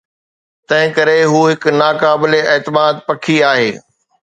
تنهنڪري هو هڪ ناقابل اعتماد پکي آهي.